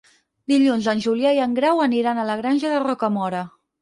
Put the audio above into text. Dilluns en Julià i en Grau aniran a la Granja de Rocamora.